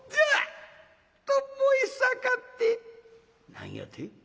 「何やて？